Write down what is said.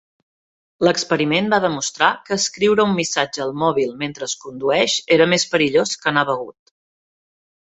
L"experiment va demostrar que escriure un missatge al mòbil mentre es condueix era més perillós que anar begut.